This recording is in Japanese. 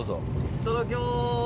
いただきまーす！